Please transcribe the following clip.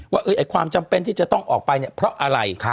ว่าความจำเป็นที่จะต้องออกไปเนี่ยเพราะอะไร